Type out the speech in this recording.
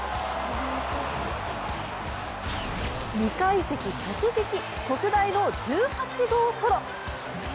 ２階席直撃、特大の１８号ソロ。